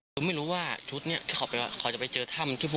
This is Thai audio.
แต่ว่าก็ลงไปสำรวจแค่ท่ำเดียว